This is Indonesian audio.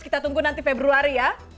kita tunggu nanti februari ya